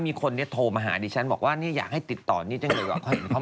หรือว่าสนิทจนไม่ฟอลก็มีเพราะจะเหลือทุกวัน